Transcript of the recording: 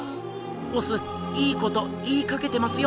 ボスいいこと言いかけてますよ。